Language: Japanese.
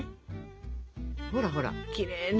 ほらほらきれいね。